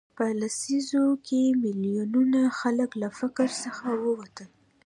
په لسیزو کې میلیونونه خلک له فقر څخه ووتل.